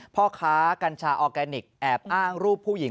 พ่อค้ากัญชาออร์แกนิคแอบอ้างรูปผู้หญิง